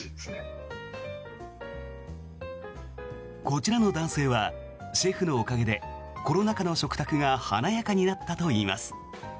こちらの男性はシェフのおかげでコロナ禍の食卓が華やかになったといいます。